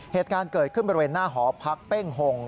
เหตุการณ์เกิดขึ้นบริเวณหน้าหอพักเป้งหง